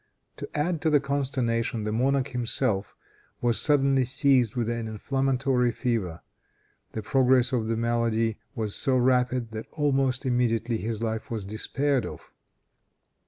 To add to the consternation the monarch himself was suddenly seized with an inflammatory fever; the progress of the malady was so rapid that almost immediately his life was despaired of.